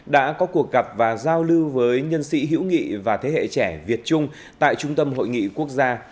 đã có cuộc gặp và giao lưu với nhân sĩ hữu nghị và thế hệ trẻ việt trung tại trung tâm hội nghị quốc gia